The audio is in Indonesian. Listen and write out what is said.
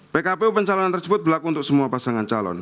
pkpu pencalonan tersebut berlaku untuk semua pasangan calon